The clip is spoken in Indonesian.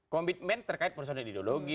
komitmen terkait persoalan ideologi